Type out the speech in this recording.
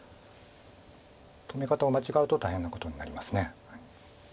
止め方を間違うと大変なことになります。